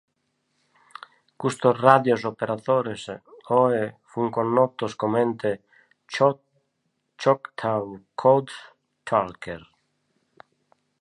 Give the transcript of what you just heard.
Questi radio-operatori, oggi, sono conosciuti come "Choctaw Code Talker".